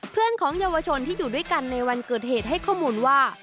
เพื่อนของเยาวชนที่อยู่ด้วยกันในวันเกิดเหตุให้ข้อมูลว่า